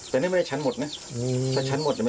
แต่นี่ไม่สามารถฉันหมดเลยนะ